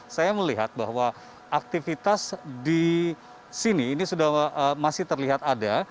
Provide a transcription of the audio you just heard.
saya melihat bahwa aktivitas di sini ini sudah masih terlihat ada